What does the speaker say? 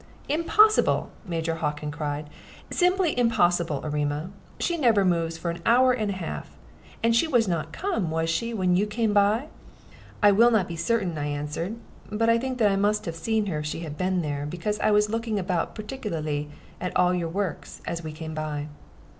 "Impossible!" Major Hockin cried "simply impossible, Erema! She never moves for an hour and a half. And she was not come, was she, when you came by?" "I will not be certain," I answered; "but I think that I must have seen her if she had been there, because I was looking about particularly at all your works as we came by."